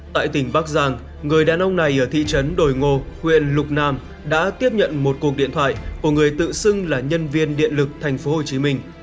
tại tỉnh bắc giang người đàn ông này ở thị trấn đồi ngô huyện lục nam đã tiếp nhận một cuộc điện thoại của người tự xưng là nhân viên điện lực thành phố hồ chí minh